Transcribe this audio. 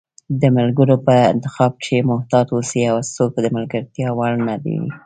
د ملګرو په انتخاب کښي محتاط اوسی، هرڅوک د ملګرتیا وړ نه وي